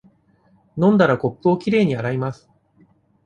飲んだら、コップをきれいに洗います。